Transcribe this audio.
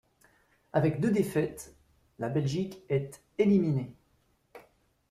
Avec deux défaites, la Belgique est éliminée.